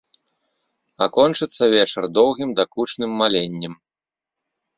А кончыцца вечар доўгім дакучным маленнем.